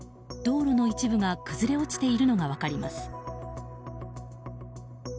道路の一部が崩れ落ちているのが分かります。